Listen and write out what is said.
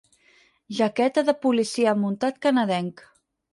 Jaqueta de policia muntat canadenc.